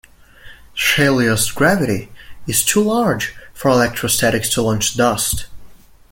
Scheila's gravity is too large for electrostatics to launch dust.